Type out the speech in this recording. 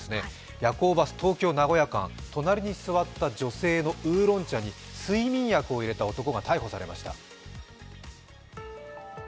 夜行バス、東京ー名古屋間、隣に座った女性のウーロン茶に睡眠薬を入れた男が逮捕されました。